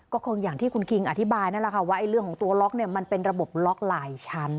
ก็คงอย่างที่คุณคิงอธิบายนั่นแหละค่ะว่าเรื่องของตัวล็อกเนี่ยมันเป็นระบบล็อกหลายชั้น